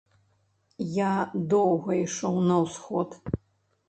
Я доўга ішоў на ўсход.